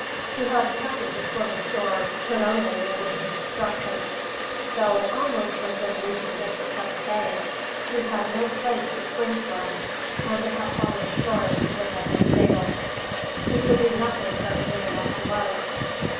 To have attempted to swim ashore could only end in his destruction. Though almost within leaping distance of the bank, he had no place to spring from, and to have fallen short, would have been fatal. He could do nothing but remain as he was.